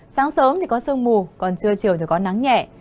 sáng sớm thì có sương mù còn trưa chiều thì có nắng nhẹ